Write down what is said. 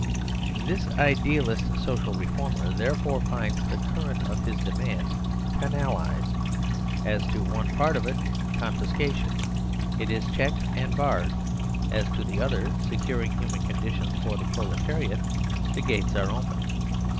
This idealist social reformer, therefore, finds the current of his demand canalised. As to one part of it, confiscation, it is checked and barred ; as to the other, securing human conditions for the proletariat, the gates are open.